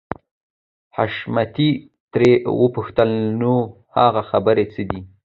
حشمتي ترې وپوښتل نو هغه خبرې څه دي.